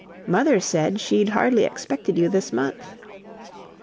"Mother said she'd hardly expected you this month."